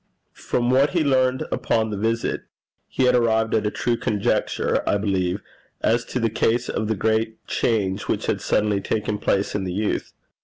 From what he learned upon this visit, he had arrived at a true conjecture, I believe, as to the cause of the great change which had suddenly taken place in the youth.